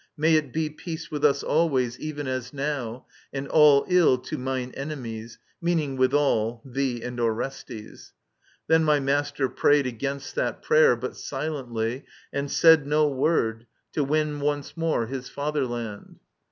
May it be Peace with us always, even as now ; and all 111 to mine jcnemies "— meaning withal Thee and Orestes. Then my master prayed Against that prayer, but silently, and said No word, to win once more his fatherland.